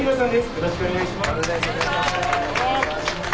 よろしくお願いします。